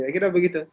ya kira begitu